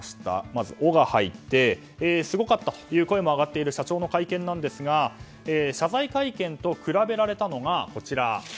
まず「オ」が入ってすごかったという声も上がっている社長の会見ですが謝罪会見と比べられたのがこちら。